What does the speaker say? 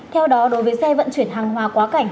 theo đó đối với xe vận chuyển hàng hóa quá cảnh